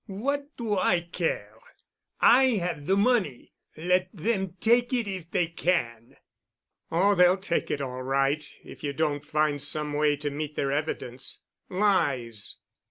"What do I care? I have the money. Let them take it if they can." "Oh, they'll take it all right, if you don't find some way to meet their evidence." "Lies."